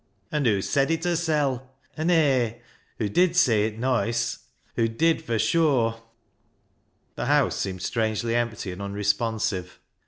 " An' hoo said it hersel'. An' hay, hoo did say it noice ; hoo did fur shure." The house seemed strangely empty and unre sponsive.